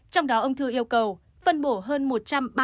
trong đó ông thư yêu cầu phân bổ